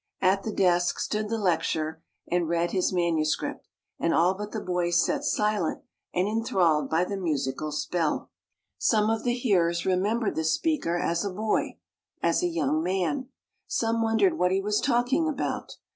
At the desk stood the lecturer and read his manuscript, and all but the boys sat silent and inthralled by the musical spell. Some of the hearers remembered the speaker as a boy, as a young man. Some wondered what he was talking about.